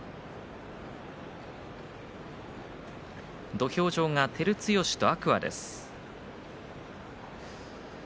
土俵上は照強と天空海です。